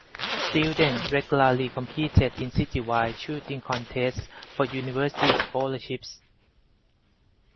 Students regularly competed in citywide shooting contests for university scholarships.